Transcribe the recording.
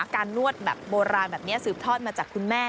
การนวดโบราณสืบทอดมาจากคุณแม่